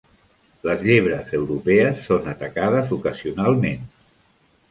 Les llebres europees són atacades ocasionalment.